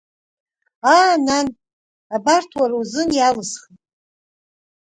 Аа, нан, абарҭ уара узын иалсхит!